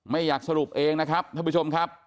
ไม่อยากสรุปเองนะครับท่านผู้ชมครับ